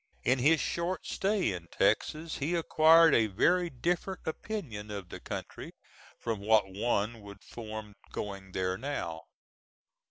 In his short stay in Texas he acquired a very different opinion of the country from what one would form going there now.